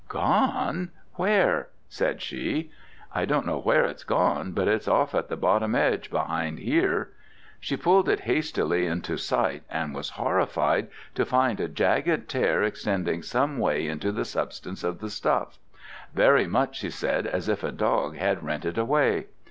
"Gone? Where?" said she. "I don't know where it's gone, but it's off at the bottom edge behind here." She pulled it hastily into sight, and was horrified to find a jagged tear extending some way into the substance of the stuff; very much, she said, as if a dog had rent it away.